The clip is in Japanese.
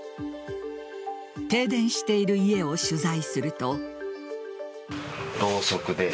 停電している家を取材すると。